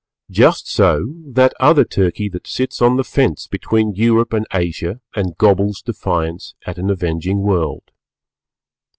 Just so that other Turkey that sits on the fence between Europe and Asia and gobbles defiance at an avenging world.